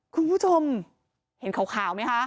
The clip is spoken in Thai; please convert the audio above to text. คุณผู้ชมเห็นขาวไหมคะ